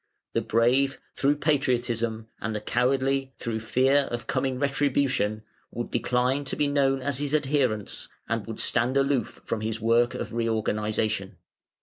The brave, through patriotism, and the cowardly, through fear of coming retribution, would decline to be known as his adherents, and would stand aloof from his work of re organization.